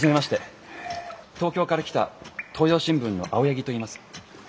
東京から来た東洋新聞の青柳といいます。